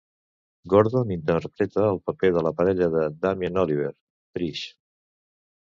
Gordon interpreta el paper de la parella de Damien Oliver, Trish.